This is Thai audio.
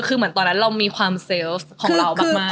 คือเหมือนตอนนั้นเรามีความเซลล์ของเรามาก